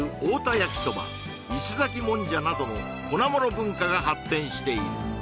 焼きそば伊勢崎もんじゃなどの粉もの文化が発展している